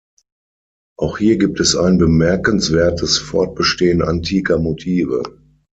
Auch hier gibt es ein bemerkenswertes Fortbestehen antiker Motive.